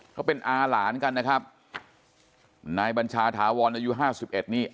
เขาเป็นอาหลานกันนะครับนายบัญชาถาวรอายุห้าสิบเอ็ดนี่